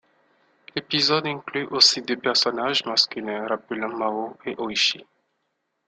L'épisode inclut aussi deux personnages masculins rappelant Mao et Ooishi.